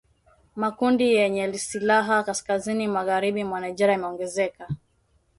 Makundi yenye silaha kaskazini magharibi mwa Nigeria yameongezeka